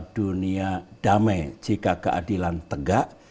dunia damai jika keadilan tegak